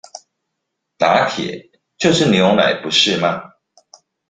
「拿鐵」就是牛奶不是嗎？